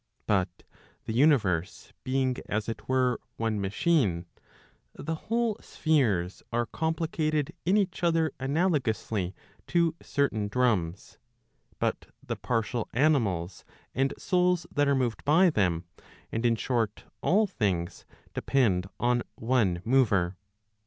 Digitized by t^OOQLe ON PROVIDENCE the universe being as it were one machine, the whole spheres are compli¬ cated in each other analogously to certain drums, but the partial animals and souls that are moved by them, and in short, all things, depend on one mover.